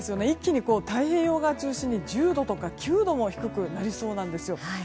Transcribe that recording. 一気に太平洋側中心に１０度とか９度も低くなりそうなんです。